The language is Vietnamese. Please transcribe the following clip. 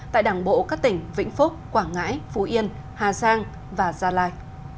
tại đảng bộ các tỉnh vĩnh phúc quảng ngãi phú yên hà giang và gia lai